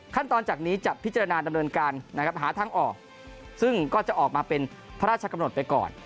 จากนี้จะพิจารณาดำเนินการนะครับหาทางออกซึ่งก็จะออกมาเป็นพระราชกำหนดไปก่อน